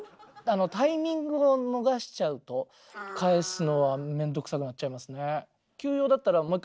タイミングを逃しちゃうと返すのは面倒くさくなっちゃいますね。